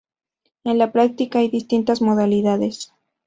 En la práctica hay distintas modalidades.